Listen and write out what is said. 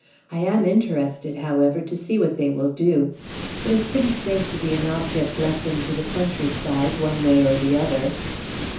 I am interested, however, to see what they will do. It is pretty safe to be an object lesson to the countryside, one way or the other."